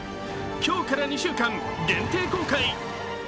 今日から２週間、限定公開。